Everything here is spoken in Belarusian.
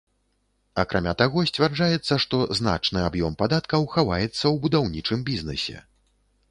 Акрамя таго, сцвярджаецца, што значны аб'ём падаткаў хаваецца ў будаўнічым бізнэсе.